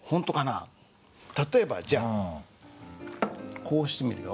例えばじゃあこうしてみるよ。